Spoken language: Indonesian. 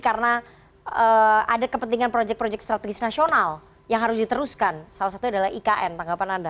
karena ada kepentingan projek projek strategis nasional yang harus diteruskan salah satunya adalah ikn tanggapan anda